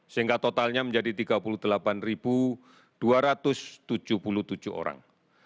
sehingga totalnya menjadi tiga puluh delapan dua ratus tujuh puluh tujuh orang